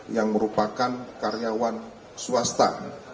yang merupakan karyawan swasta